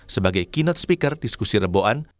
sebagai keynote speaker diskusi reboan